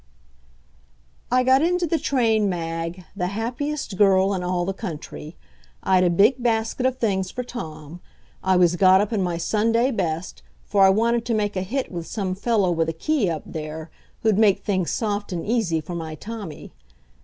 I got into the train, Mag, the happiest girl in all the country. I'd a big basket of things for Tom. I was got up in my Sunday best, for I wanted to make a hit with some fellow with a key up there, who'd make things soft and easy for my Tommy.